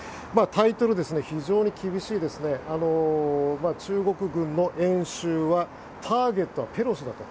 タイトル、非常に厳しい中国軍の演習はターゲットはペロシだと。